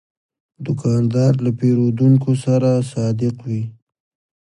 دوکاندار له پیرودونکو سره صادق وي.